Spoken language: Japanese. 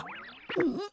うん？